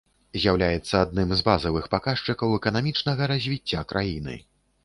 З'яўляецца адным з базавых паказчыкаў эканамічнага развіцця краіны.